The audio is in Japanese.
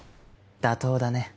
妥当だね。